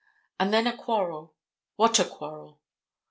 And then a quarrel; what a quarrel.